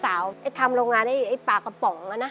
สมัยสาวทำโรงงานไอ้ป๋ากะป๋อง